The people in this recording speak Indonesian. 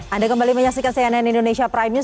anda kembali menyaksikan cnn indonesia prime news